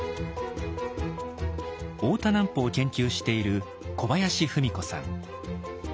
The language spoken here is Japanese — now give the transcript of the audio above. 大田南畝を研究している小林ふみ子さん。